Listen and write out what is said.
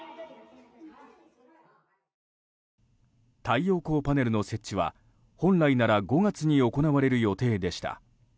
太陽光パネルの設置は本来なら５月に行われる予定でした。